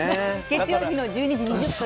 月曜日の１２時２０分。